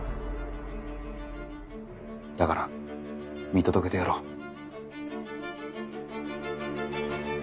だから見届けてやろう。